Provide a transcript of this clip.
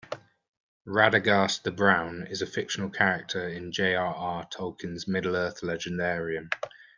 Radagast the Brown is a fictional character in J. R. R. Tolkien's Middle-earth legendarium.